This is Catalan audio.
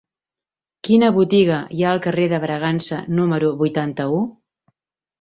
Quina botiga hi ha al carrer de Bragança número vuitanta-u?